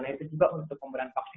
nah itu juga untuk pemberian vaksin